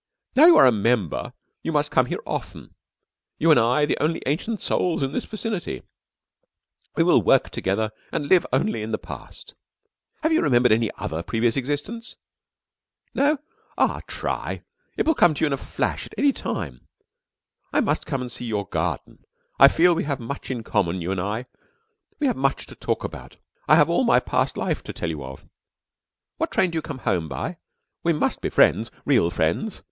"Now you are a member you must come here often ... you and I, the only Ancient Souls in this vicinity ... we will work together and live only in the Past.... Have you remembered any other previous existence?... No? Ah, try, it will come in a flash any time.... I must come and see your garden.... I feel that we have much in common, you and I.... We have much to talk about.... I have all my past life to tell you of ... what train do you come home by?... We must be friends real friends....